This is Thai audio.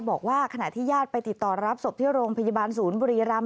บอกว่าขณะที่ญาติไปติดต่อรับศพที่โรงพยาบาลศูนย์บุรีรำ